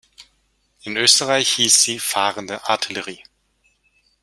In Österreich hieß sie „Fahrende Artillerie“.